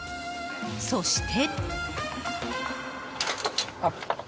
そして。